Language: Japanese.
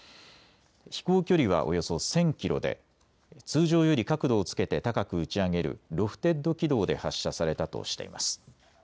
飛行距離はおよそ１０００キロで通常より角度をつけて高く打ち上げるロフテッド軌道で発射されたとしています。